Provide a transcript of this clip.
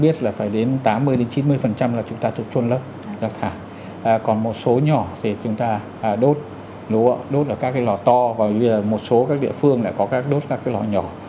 vâng đúng rồi hiện nay thì chúng ta biết là phải đến tám mươi chín mươi là chúng ta thuộc trôn lớp rác thải còn một số nhỏ thì chúng ta đốt đốt ở các cái lò to và một số các địa phương lại có các đốt các cái lò nhỏ